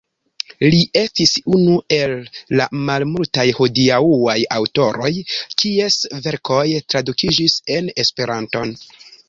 Li estis unu el la malmultaj hodiaŭaj aŭtoroj, kies verkoj tradukiĝis en Esperanton.